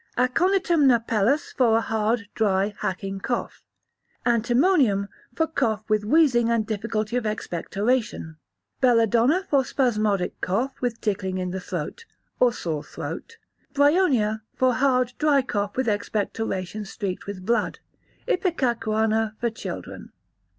Aconitum napellus, for a hard, dry, hacking cough; Antimonium, for cough with wheezing and difficulty of expectoration; Belladonna, for spasmodic cough, with tickling in the throat, or sore throat; Bryonia, for hard, dry cough, with expectorations streaked with blood; ipecacuanha, for children.